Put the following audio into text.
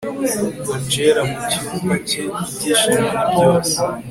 angella mucyumba cye ibyishimo nibyose